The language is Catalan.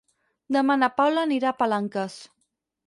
Demà na Paula anirà a Palanques.